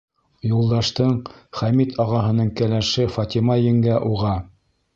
Юлдаштың Хәмит ағаһының кәләше Фатима еңгә уға: